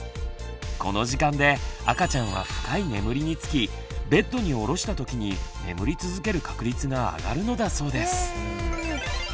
この時間で赤ちゃんは深い眠りにつきベッドにおろしたときに眠り続ける確率があがるのだそうです。